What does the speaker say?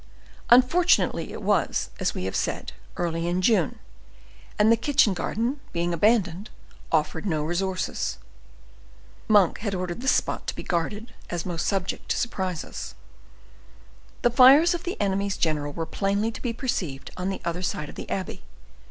Unfortunately it was, as we have said, early in June, and the kitchen garden, being abandoned, offered no resources. Monk had ordered this spot to be guarded, as most subject to surprises. The fires of the enemy's general were plainly to be perceived on the other side of the abbey.